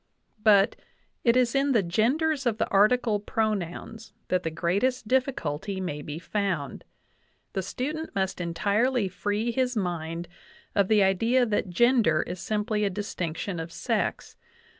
But "it is in the genders of the article pronouns that the greatest difficulty may be found. The student must entirely free his mind of the idea that gender is simply a distinction of sex.